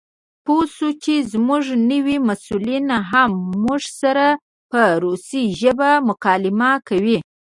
پوه شوو چې زموږ نوي مسؤلین هم موږ سره په روسي ژبه مکالمه کوي.